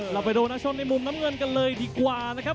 เราไปโดนนักชนในมุมน้ำเงินกันเลยดีกว่านะครับ